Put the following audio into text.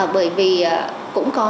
bởi vì cũng có